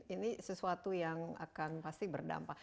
ini sesuatu yang pasti akan berdampak